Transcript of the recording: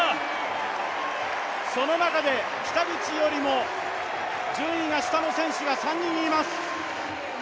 その中で、北口よりも順位が下の選手が３人います。